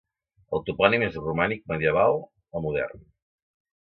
El topònim és romànic medieval o modern.